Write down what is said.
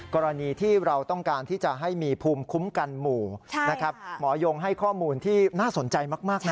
กรณีที่เราต้องการที่จะให้มีภูมิคุ้มกันหมู่นะครับหมอยงให้ข้อมูลที่น่าสนใจมากนะ